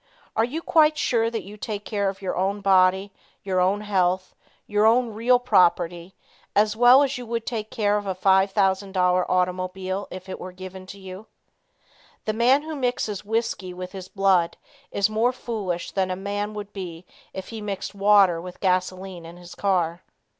Are you quite sure that you take care of your own body, your own health, your only real property, as well as you would take care of a five thousand dollar automobile if it were given to you? The man who mixes whiskey with his blood is more foolish than a man would be if he mixed water with gasoline in his car.